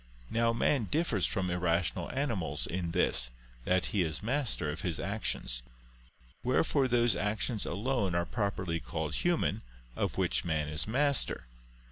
Now man differs from irrational animals in this, that he is master of his actions. Wherefore those actions alone are properly called human, of which man is master.